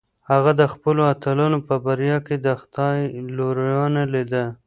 هغه د خپلو اتلانو په بریا کې د خدای لورینه لیده.